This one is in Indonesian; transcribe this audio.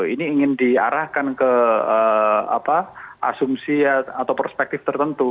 ini ingin diarahkan ke asumsi atau perspektif tertentu